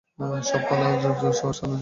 সব শালা জোকার।